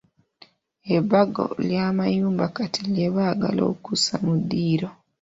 Ebbago ly'amayumba kati lye baagala okuzza mu ddiiro.